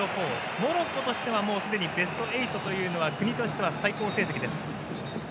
モロッコとしてはもうすでにベスト８というのは国としては最高成績です。